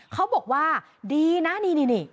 เขาบอกว่าดีนะนี่